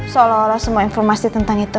seolah olah semua informasi tentang itu